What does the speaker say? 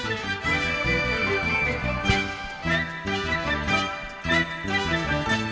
để không bỏ lỡ những video hấp dẫn